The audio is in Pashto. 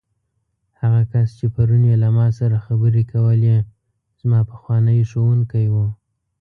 هغه کس چې پرون یې له ما سره خبرې کولې، زما پخوانی ښوونکی و.